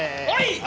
はい！